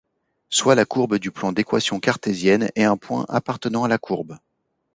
Soit la courbe du plan d'équation cartésienne et un point appartenant à la courbe.